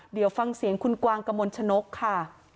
เดี๋ยวฟังเสียงคุณกวางกระมวลชนกค่ะ